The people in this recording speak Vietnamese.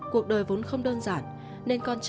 cuộc đời vốn không đơn giản